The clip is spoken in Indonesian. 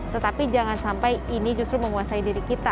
tetapi jangan sampai ini justru menguasai diri kita